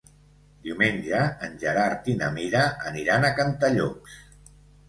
Diumenge en Gerard i na Mira aniran a Cantallops.